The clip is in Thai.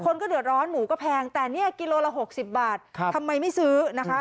คนก็เดือดร้อนหมูก็แพงแต่เนี่ยกิโลละ๖๐บาททำไมไม่ซื้อนะคะ